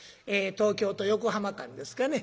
東京と横浜間ですかね